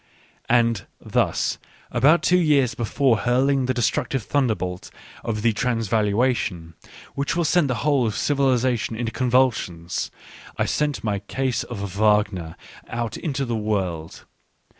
And thus, about two years before hurling the destructive thunderbolt of the Trans valuation, which will send the whole of civilisation into convulsions, I sent my Case of Wagner out into the world.